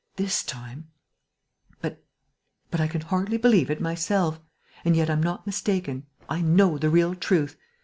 this time ...! But I can hardly believe it myself.... And yet I'm not mistaken: I know the real truth....